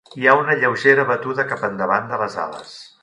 Hi ha una lleugera batuda cap endavant de les ales.